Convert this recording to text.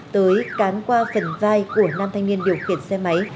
tới cán qua phần vai của nam thanh niên điều khiển xe máy